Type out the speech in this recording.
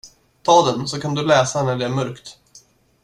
Ta den, så kan du läsa när det är mörkt.